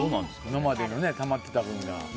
今までのたまってた分が。